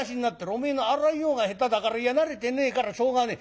おめえの洗いようが下手だから慣れてねえからしょうがねえ。